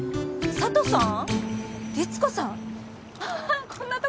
佐都さん